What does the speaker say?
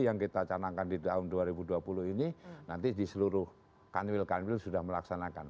yang kita canangkan di tahun dua ribu dua puluh ini nanti di seluruh kanwil kanwil sudah melaksanakan